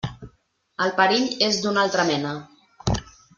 El perill és d'una altra mena.